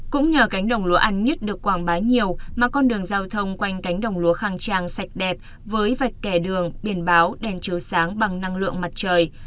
cũng nhờ cánh đồng lúa ăn nhít được quảng bá nhiều mà con đường giao thông quanh cánh đồng lúa khang trang sạch đẹp với vạch kẻ đường biển báo đèn chiếu sáng bằng năng lượng mặt trời